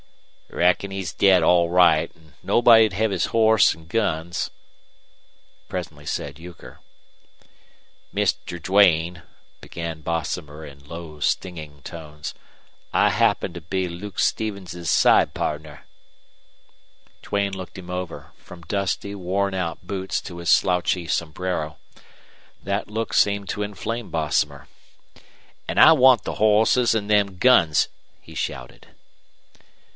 "Reckon he's dead, all right, or nobody'd hev his hoss an' guns," presently said Euchre. "Mister Duane," began Bosomer, in low, stinging tones, "I happen to be Luke Stevens's side pardner." Duane looked him over, from dusty, worn out boots to his slouchy sombrero. That look seemed to inflame Bosomer. "An' I want the hoss an' them guns," he shouted.